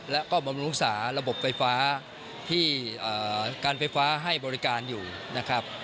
แล้วก็บำรุงสาระบบไฟฟ้าที่การไฟฟ้าให้บริการอยู่นะครับ